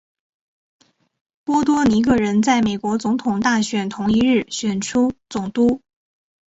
波多黎各人在美国总统大选同一日选出总督。